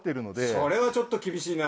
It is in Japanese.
それはちょっと厳しいな。